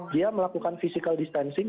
tidak melakukan physical distancing